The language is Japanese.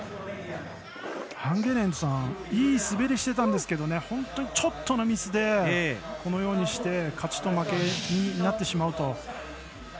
アンゲネントさんいい滑りをしてたんですがちょっとのミスでこのようにして勝ちと負けになってしまうと。